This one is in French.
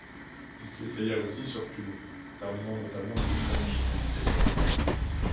Il s'essaya aussi sur plus long, terminant notamment des International Stakes.